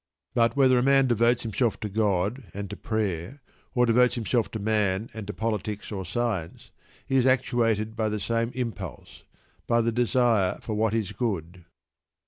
But whether a man devotes himself to God and to prayer, or devotes himself to man and to politics or science, he is actuated by the same impulse by the desire for what is good.